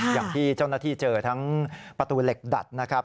อย่างที่เจ้าหน้าที่เจอทั้งประตูเหล็กดัดนะครับ